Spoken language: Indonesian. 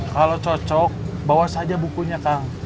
kalau cocok bawa saja bukunya kang